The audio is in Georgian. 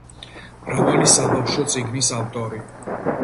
მრავალი საბავშვო წიგნის ავტორი.